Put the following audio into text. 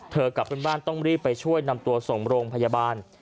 เธอกลับบ้านต้องรีบไปช่วยนำตัวส่งโรงพยาบาล